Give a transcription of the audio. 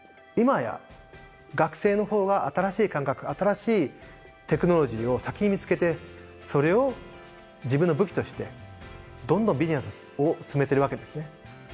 今や学生の方が新しい感覚新しいテクノロジーを先に見つけてそれを自分の武器としてどんどんビジネスを進めてるわけですね。